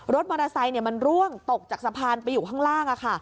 รถมอเตอร์ไซค์มันร่วงตกจากสะพานไปอยู่ข้างล่าง